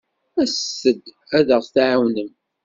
Aset-d ad aɣ-tɛawnem.